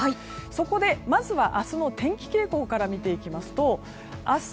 そこで、明日の天気傾向から見ていきますと明日